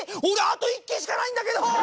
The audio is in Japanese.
俺あと１ケしかないんだけど！